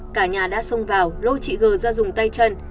cả nhà đã xông vào lô chị g ra dùng tay chân